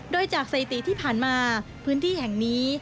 โดยจากสถิติที่ผ่านมาพื้นที่แห่งนี้